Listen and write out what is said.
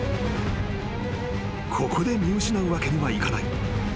［ここで見失うわけにはいかない］